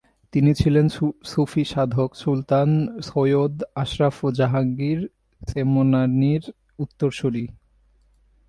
তিনি ছিলেন সুফি সাধক সুলতান সৈয়দ আশরাফ জাহাঙ্গীর সেমনানির উত্তরসূরি।